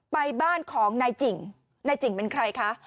บ้านของนายจิ่งนายจิ่งเป็นใครคะ